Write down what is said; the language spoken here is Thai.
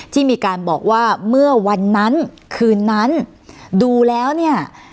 ที่มีการบอกว่าเมื่อวันนั้นคืนนั้นดูแล้วเนี่ย